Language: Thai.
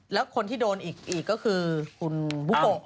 แล้วคนที่โดนอีกก็คือคุณบุโกะ